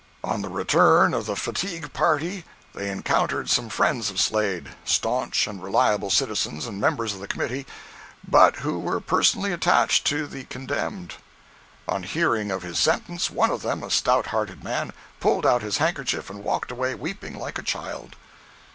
On the return of the fatigue party, they encountered some friends of Slade, staunch and reliable citizens and members of the committee, but who were personally attached to the condemned. On hearing of his sentence, one of them, a stout hearted man, pulled out his handkerchief and walked away, weeping like a child.